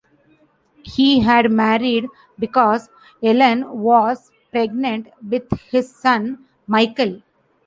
He had married because Ellen was pregnant with his son, Michael.